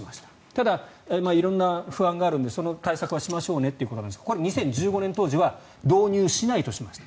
ただ、色んな不安があるのでその対策はしましょうねってことなんですがこれ、２０１５年当時は導入しないとしました。